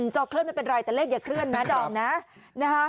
จอเคลื่อนไม่เป็นไรแต่เลขอย่าเคลื่อนนะดอมนะ